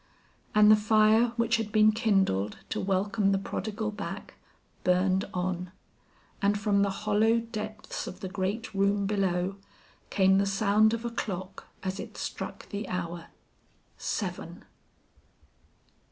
And the fire which had been kindled to welcome the prodigal back, burned on; and from the hollow depths of the great room below, came the sound of a clock as it struck the hour, seven!